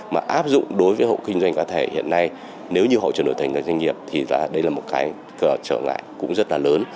mà áp dụng đối với hộ kinh doanh cá thể hiện nay nếu như họ chuyển đổi thành người doanh nghiệp thì đây là một cái trở ngại cũng rất là lớn